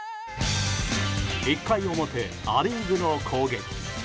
１回表、ア・リーグの攻撃。